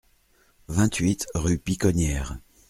vingt-huit rue Piconnières